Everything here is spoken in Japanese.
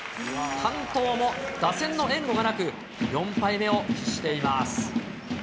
完投も、打線の援護がなく、４敗目を喫しています。